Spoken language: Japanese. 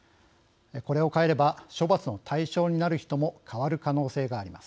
これを変えれば処罰の対象になる人も変わる可能性があります。